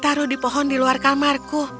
taruh di pohon di luar kamarku